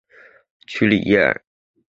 屈里耶尔。